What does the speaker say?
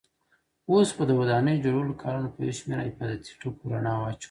اوس به د ودانۍ جوړولو کارونو په یو شمېر حفاظتي ټکو رڼا واچوو.